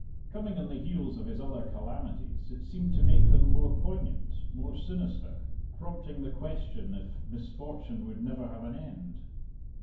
Coming on the heels of his other calamities it seemed to make them more poignant, more sinister, prompting the question if misfortune would never have an end.